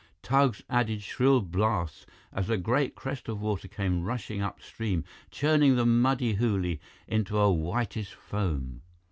Tugs added shrill blasts as a great crest of water came rushing upstream, churning the muddy Hooghly into a whitish foam.